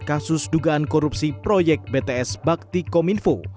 kasus dugaan korupsi proyek bts bakti kominfo